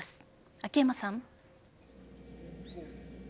秋山さん。